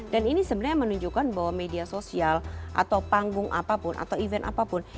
dan ini sebenarnya menunjukkan bahwa media sosial atau panggung apapun atau event apapun